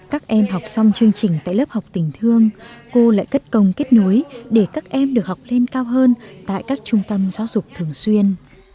các em học xong chương trình tại lớp học tình thương cô lại cất công kết nối để các em được học lên cao hơn tại các trung tâm giáo dục thường xuyên